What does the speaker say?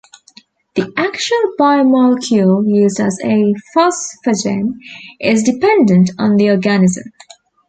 The actual biomolecule used as a phosphagen is dependent on the organism.